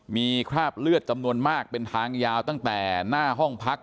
มีคราบเลือดจำนวนมากเป็นทางยาวตั้งแต่หน้าห้องพัก